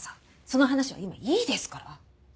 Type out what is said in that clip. その話は今いいですから！